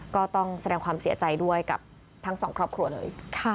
ก็ต้องแสดงความเสียใจด้วยกับทั้งสองครอบครัวเลย